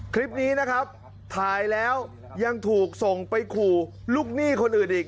คลิปนี้นะครับถ่ายแล้วยังถูกส่งไปขู่ลูกหนี้คนอื่นอีก